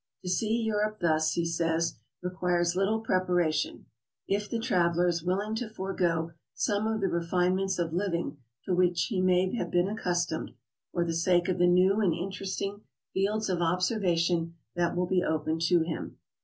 To see Europe thus, he says, requires little preparation, if the traveler is willing to forego some of the refinements of living to which he may have been accustomed, for the sake of the new and interest ing fields of observation that will be opened to him.